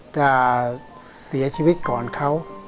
กลัวเราจะเสียชีวิตก่อนเขา